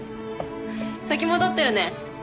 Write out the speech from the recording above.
先戻ってるね。